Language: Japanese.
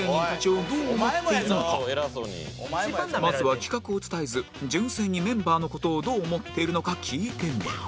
ナダルはまずは企画を伝えず純粋にメンバーの事をどう思っているのか聞いてみる